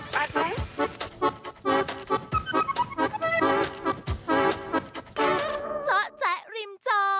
พ่อแมททิว